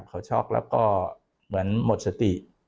เขาช็อกแล้วก็เหมือนหมดสติ